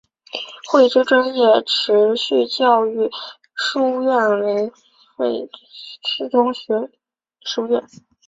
汇知专业持续教育书院为汇知中学附设书院。